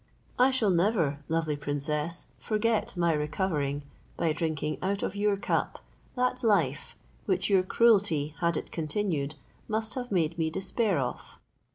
I shall never, lovely princess, forget my recovering, by drinking out of your cup, that life, which your cruelty, had it continued, must have made me despair of."